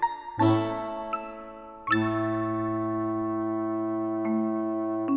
aku sudah kusentang itu